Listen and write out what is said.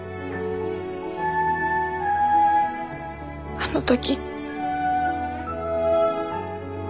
あの時。